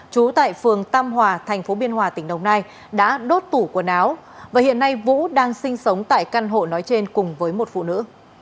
trú tại phường tam hòa thành phố biên hòa tỉnh đồng nai đã đốt tủ quần áo và hiện nay vũ đang sinh sống tại căn hộ nói trên cùng với một phụ nữ